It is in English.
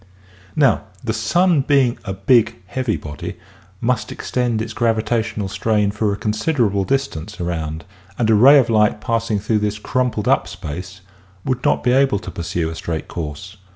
Now the sun being a big heavy body must extend its gravitational strain for a considerable distance around and a ray of light passing through this crumpled up space would not be able to pursue a straight course.